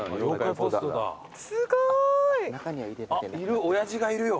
いるおやじがいるよ。